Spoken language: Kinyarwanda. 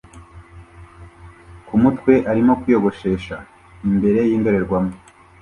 kumutwe arimo kwiyogoshesha imbere yindorerwamo